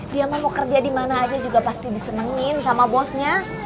dia mah mau kerja di mana aja juga pasti disenengin sama bosnya